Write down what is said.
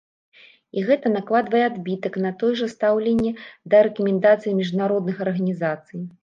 І гэта накладвае адбітак на тое ж стаўленне да рэкамендацый міжнародных арганізацый.